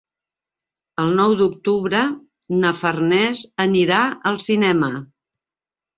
El nou d'octubre na Farners anirà al cinema.